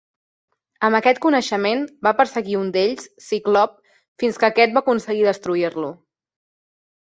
Amb aquest coneixement, va perseguir un d'ells, Ciclop, fins que aquest va aconseguir destruir-lo.